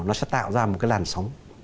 nó sẽ tạo ra một cái làn sóng